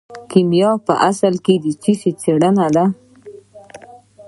کیمیا په اصل کې د څه شي څیړنه ده.